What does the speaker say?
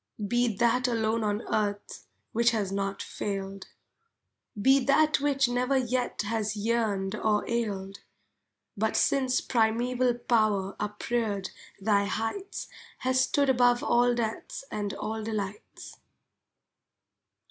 Be that alone on earth which has not failed. Be that which never yet has yearned or ailed, But since primeval Power upreared thy heights Has stood above all deaths and all delights.